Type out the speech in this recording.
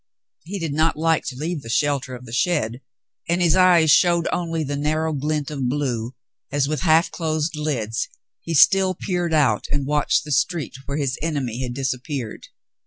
He did not like to leave the shelter of the shed, and his eyes showed only the narrow glint of blue as, with half closed lids, he still peered out and watched the street where his enemy had disappeared.